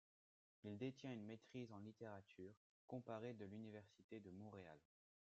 Il détient une maîtrise en littérature comparée de l'Université de Montréal.